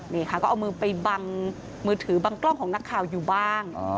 นี่ค่ะก็เอามือไปบังมือถือบังกล้องของนักข่าวอยู่บ้าง